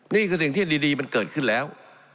นี่คือสิ่งที่ดีมันเกิดขึ้นแล้ว